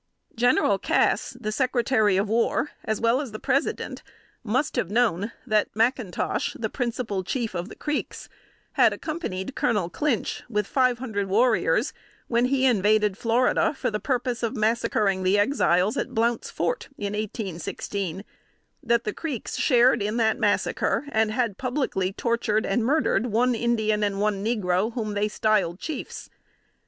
General Cass, the Secretary of War, as well as the President, must have known that McIntosh, the principal chief of the Creeks, had accompanied Colonel Clinch, with five hundred warriors, when he invaded Florida for the purpose of massacreing the Exiles at "Blount's Fort," in 1816; that the Creeks shared in that massacre, and had publicly tortured and murdered one Indian and one negro, whom they styled chiefs.